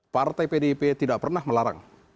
partai pdip tidak pernah melarang